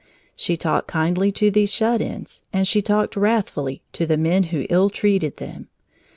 She talked kindly to these shut ins, and she talked wrathfully to the men who ill treated them.